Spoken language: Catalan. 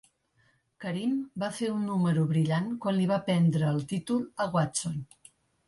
Karim va fer un número brillant quan li va prendre el títol a Watson.